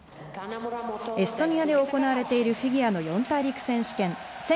エストニアで行われているフィギュアの四大陸選手権。